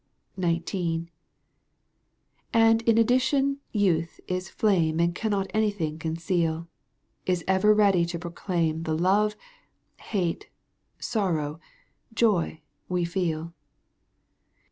XIX. And in addition youth is flame And cannot anything conceal, Is ever ready to proclaim The love, hate, sorrow, joy, we feel.